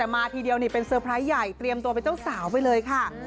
มาทีเดียวนี่เป็นเซอร์ไพรส์ใหญ่เตรียมตัวเป็นเจ้าสาวไปเลยค่ะ